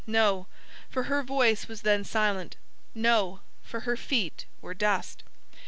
No! for her voice was then silent: No! for her feet were dust.